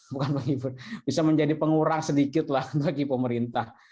bukan menghibur bisa menjadi pengurang sedikit lah bagi pemerintah